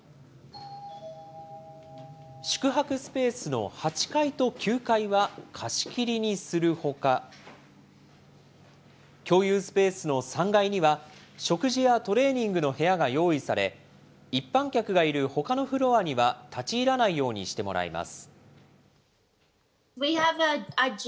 宿泊スペースの８階と９階は貸し切りにするほか、共有スペースの３階には、食事やトレーニングの部屋が用意され、一般客がいるほかのフロアには、立ち入らないようにしてもらいます。